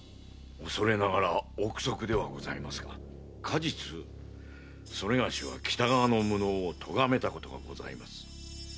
恐れながら憶測でございますが過日それがしは北川の無能をとがめたことがございます。